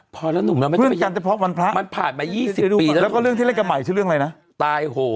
พี่มดเล่นเป็นอะไรคะ